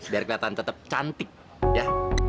biar kelihatan tetap cantik ya